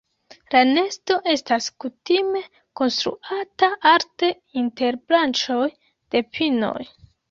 La nesto estas kutime konstruata alte inter branĉoj de pinoj.